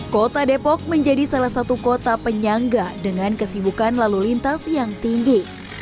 kota depok menjadi salah satu kota penyangga dengan kesibukan lalu lintas yang tinggi